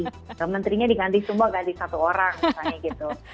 menterinya diganti semua ganti satu orang misalnya gitu